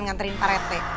ngantriin pak rete